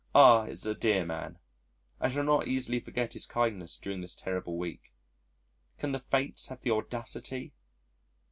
R is a dear man. I shall not easily forget his kindness during this terrible week.... Can the Fates have the audacity?...